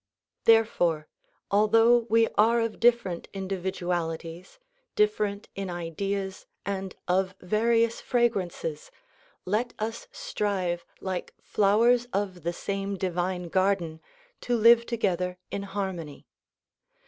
Therefore al though we are of different individualities, different in ideas and of various fragrances, let us strive like flowers of the same divine garden to live together in harmony.